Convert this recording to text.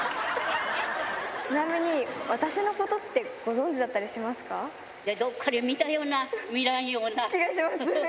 ちなみに私のことってご存じどっかで見たような、みらん気がします？